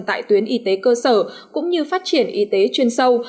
tại tuyến y tế cơ sở cũng như phát triển y tế chuyên sâu